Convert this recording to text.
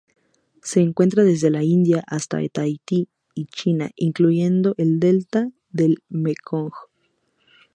Se encuentra desde la India hasta Tahití y China, incluyendo el delta del Mekong.